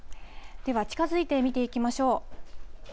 では近づいて見ていきましょう。